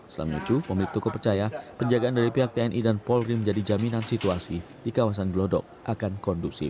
selain itu pemilik toko percaya penjagaan dari pihak tni dan polri menjadi jaminan situasi di kawasan gelodok akan kondusif